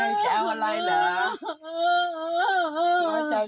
น้อยใจเรื่องอะไรกัน